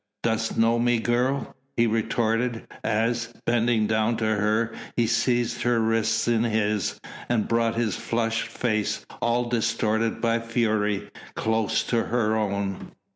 "Dost know me, girl?" he retorted, as, bending down to her, he seized her wrists in his and brought his flushed face all distorted by fury, close to her own.